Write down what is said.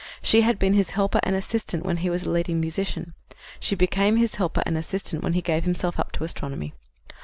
She had been his helper and assistant when he was a leading musician; she became his helper and assistant when he gave himself up to astronomy.